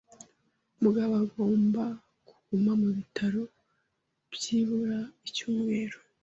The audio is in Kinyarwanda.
Mugabo agomba kuguma mu bitaro byibura icyumweru.